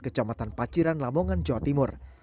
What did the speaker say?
kecamatan paciran lamongan jawa timur